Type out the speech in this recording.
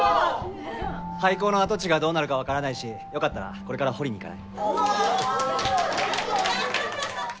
廃校の跡地がどうなるかわからないしよかったらこれから掘りに行かない？